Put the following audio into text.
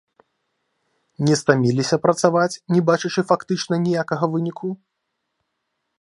Не стаміліся працаваць, не бачачы фактычна ніякага выніку?